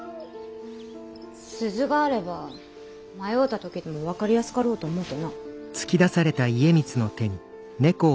鈴があれば迷うた時でも分かりやすかろうと思うてな。